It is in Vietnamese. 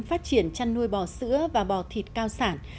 phát triển chăn nuôi bò sữa và bò thịt cao sản